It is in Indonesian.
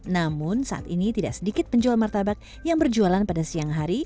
namun saat ini tidak sedikit penjual martabak yang berjualan pada siang hari